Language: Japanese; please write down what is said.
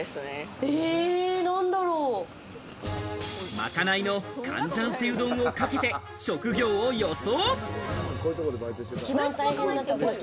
まかないのカンジャンセウ丼をかけて職業予想。